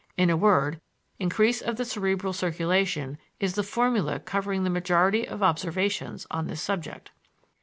In a word, increase of the cerebral circulation is the formula covering the majority of observations on this subject.